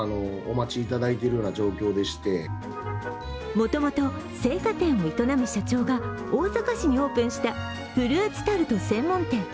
もともと青果店を営む社長が大阪市にオープンしたフルーツタルト専門店。